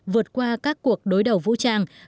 vượt qua các cuộc đối đầu vũ trang